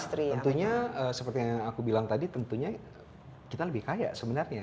tentunya seperti yang aku bilang tadi tentunya kita lebih kaya sebenarnya